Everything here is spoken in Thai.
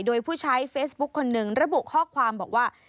โดยผู้ใช้เฟซบุ๊คคนหนึ่งระบุข้อความบอกว่า